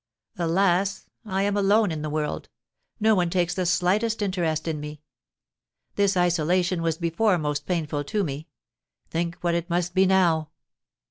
Alas, I am alone in the world, no one takes the slightest interest in me! This isolation was before most painful to me. Think what it must be now!